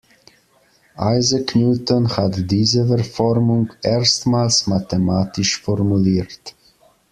Isaac Newton hat diese Verformung erstmals mathematisch formuliert.